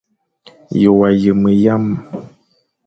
Ye wa yeme yame.